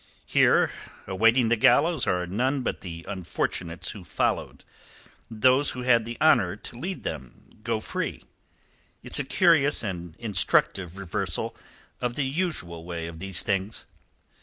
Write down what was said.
Here awaiting the gallows are none but the unfortunates who followed; those who had the honour to lead them go free. It's a curious and instructive reversal of the usual way of these things.